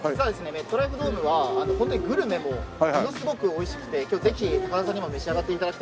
メットライフドームはホントにグルメもものすごく美味しくて今日ぜひ高田さんにも召し上がって頂きたいので。